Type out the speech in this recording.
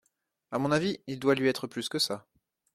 À mon avis, il doit lui être plus que ça…